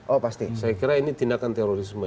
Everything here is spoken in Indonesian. oh pasti saya kira ini tindakan terorisme